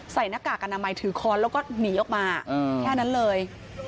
หน้ากากอนามัยถือค้อนแล้วก็หนีออกมาแค่นั้นเลย